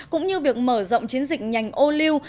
cũng như việc mở rộng chiến dịch nhành ô lưu